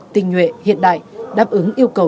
tình nguyện hiện đại đáp ứng yêu cầu